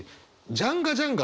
ジャンガジャンガ。